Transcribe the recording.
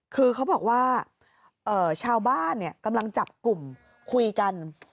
คือเขาบอกว่าชาวบ้านกำลังจับกลุ่มคุยกัน